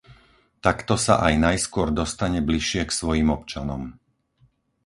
Takto sa aj najskôr dostane bližšie k svojim občanom.